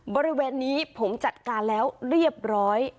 บริเวณนี้ผมจัดการแล้วเรียบร้อย